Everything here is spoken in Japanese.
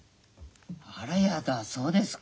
あらやだそうですか。